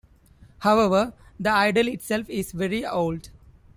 However, the idol itself is very old.